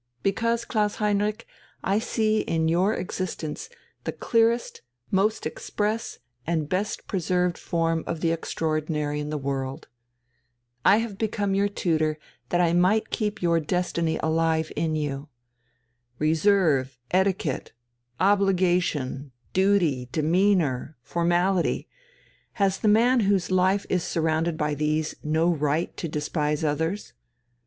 Because, Klaus Heinrich, I see in your existence the clearest, most express, and best preserved form of the extraordinary in the world. I have become your tutor that I might keep your destiny alive in you. Reserve, etiquette, obligation, duty, demeanour, formality has the man whose life is surrounded by these no right to despise others?